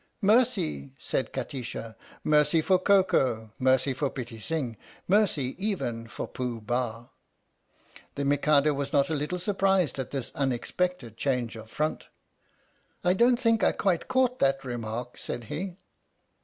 "Mercy!" said Kati sha. "Mercy for Koko, mercy for Pitti Sing, mercy even for Pooh Bah !" The Mikado was not a little surprised at this un expected change of front. " I don't think I quite caught that remark," said he.